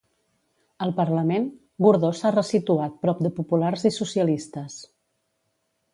Al Parlament, Gordó s'ha ressituat prop de populars i socialistes.